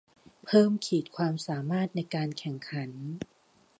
เพิ่มขีดความสามารถในการแข่งขัน